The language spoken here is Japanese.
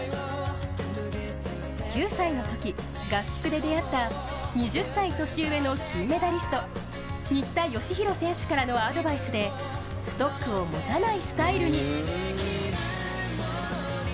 ９歳のとき、合宿で出会った２０歳年上の金メダリスト新田佳浩選手からのアドバイスでストックを持たないスタイルに。